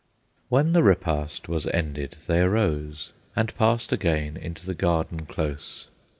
When the repast was ended, they arose And passed again into the garden close.